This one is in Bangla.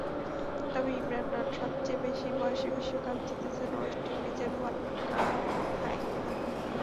তবে ইমরান নন, সবচেয়ে বেশি বয়সে বিশ্বকাপ জিতেছেন ওয়েস্ট ইন্ডিজের রোহান কানহাই।